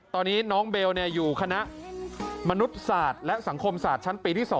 ตอนนี้น้องเบลอยู่คณะมนุษย์ศาสตร์และสังคมศาสตร์ชั้นปีที่๒